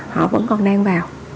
họ vẫn còn đang vào